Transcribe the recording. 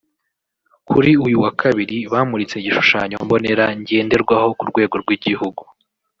kuri uyu wa Kabiri bamuritse igishushanyo mbonera ngenderwaho ku rwego rw’igihugu